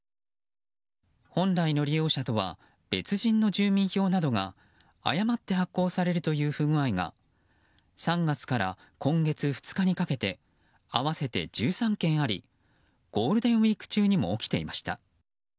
本来の利用者とは別人の住民票などが誤って発行されるという不具合が３月から今月２日にかけて合わせて１３件ありゴールデンウィーク中にも起きていました。